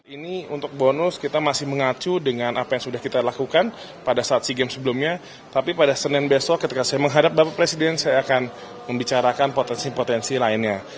ini untuk bonus kita masih mengacu dengan apa yang sudah kita lakukan pada saat sea games sebelumnya tapi pada senin besok ketika saya menghadap bapak presiden saya akan membicarakan potensi potensi lainnya